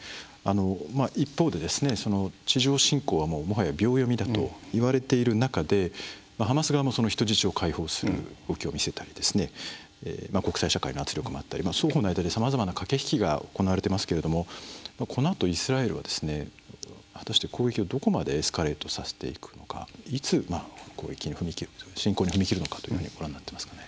一方で地上侵攻はもはや秒読みだといわれている中でハマス側も人質を解放する動きを見せたり国際社会の圧力もあったり双方の間でさまざまな駆け引きが行われていますがこのあとイスラエルは果たして攻撃をどこまでエスカレートさせていくのかいつ攻撃に侵攻に踏み切るのかとご覧になっていますかね？